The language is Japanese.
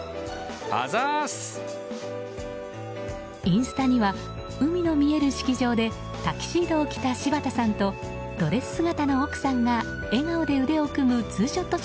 インスタには海の見える式場でタキシードを着た柴田さんとドレス姿の奥さんが笑顔で腕を組むツーショット